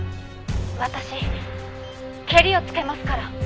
「私ケリをつけますから」